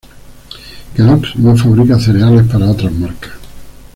Kellogg´s no fabrica cereales para otras marcas.